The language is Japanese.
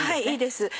いいです。